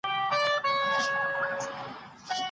د بریا لپاره د عمل پلان ولرئ.